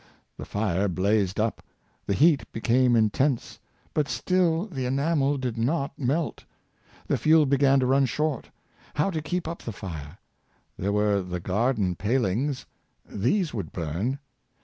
The fire blazed up; the heat became intense; but still the enamel did not melt. The fuel began to run short! How to keep up the fire.^ There were the garden palings; these would burn.